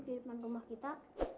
menjadi kemampuan anda